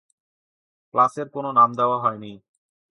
ক্লাসের কোনো নাম দেওয়া হয়নি।